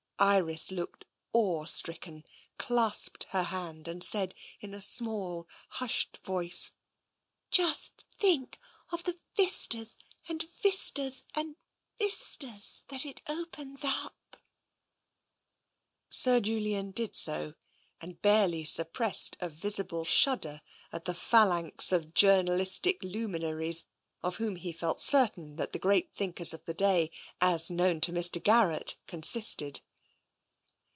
Iris looked awe stricken, clasped her hand, and said in a small, hushed voice :" Just think of the vistas and vistas and vistas that it opens up !" Sir Julian did so, and barely suppressed a visible shudder at the phalanx of journalistic liuninaries, of whom he felt certain that the great thinkers of the day, as known to Mr. Garrett, consisted.